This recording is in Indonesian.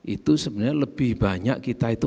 itu sebenarnya lebih banyak kita itu